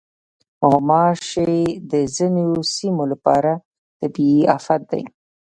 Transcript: غوماشې د ځینو سیمو لپاره طبعي افت دی.